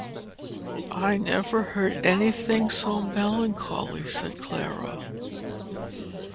"I never heard any thing so melancholy!" said Clara.